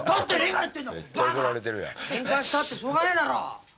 けんかしたってしょうがねえだろ